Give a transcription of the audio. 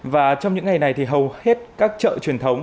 và trong những ngày này thì hầu hết các chợ truyền thống